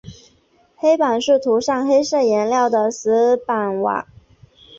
黑板是涂上黑色颜料的石板瓦。